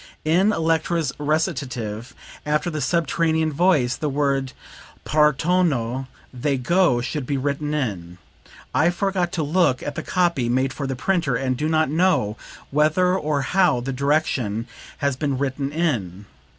In Electra's recitative, after the subterranean voice, the word 'Partono (they go)' should be written in; I forgot to look at the copy made for the printer and do not know whether or how the direction has been written in.